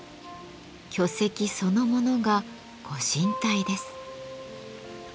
巨石そのものがご神体です。